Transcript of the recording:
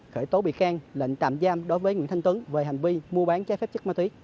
khởi tố bị can lệnh tạm giam đối với nguyễn thanh tuấn về hành vi mua bán trái phép chất ma túy